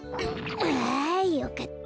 あよかった。